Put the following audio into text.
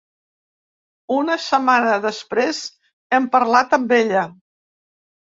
Una setmana després, hem parlat amb ella.